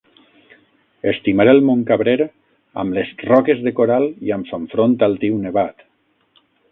Estimaré el Montcabrer, amb les roques de coral i amb son front altiu nevat.